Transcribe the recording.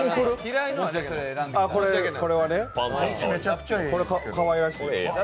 これ、かわいらしい。